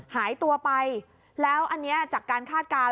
หายตัวไปแล้วอันนี้จากการคาดการณ